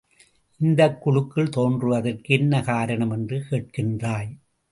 இந்தக் குழுக்கள் தோன்றுவதற்கு என்ன காரணம் என்று கேட்கின்றாய்.